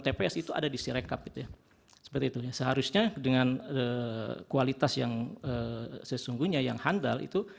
tps itu ada di sirekap gitu ya seperti itu seharusnya dengan kualitas yang sesungguhnya yang handal itu